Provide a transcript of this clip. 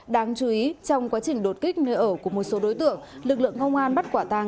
đáng chú ý trong quá trình đột kích nơi ở của một số đối tượng lực lượng công an bắt quả tàng